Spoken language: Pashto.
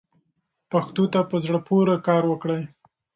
پښتو ته په زړه پورې کار وکړئ.